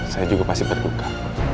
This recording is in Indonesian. saya juga pasti berduka